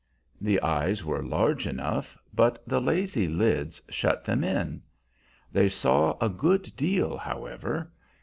The eyes were large enough, but the lazy lids shut them in. They saw a good deal, however.